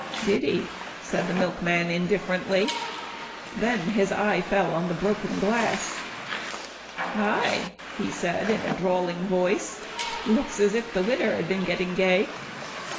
"Did he," said the milkman indifferently. Then his eye fell on the broken glass. "Hi!" he said in a drawling voice, "looks as if the widder had been getting gay."